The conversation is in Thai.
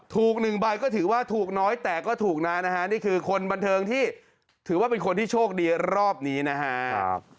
หนึ่งใบก็ถือว่าถูกน้อยแต่ก็ถูกนะนะฮะนี่คือคนบันเทิงที่ถือว่าเป็นคนที่โชคดีรอบนี้นะครับ